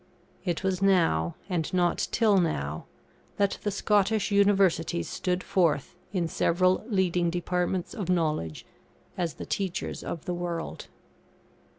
It was now, and not till now, that the Scottish Universities stood forth, in several leading departments of knowledge, as the teachers of the world.